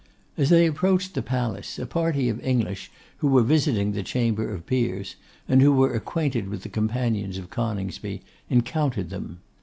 As they approached the Palace a party of English who were visiting the Chamber of Peers, and who were acquainted with the companions of Coningsby, encountered them.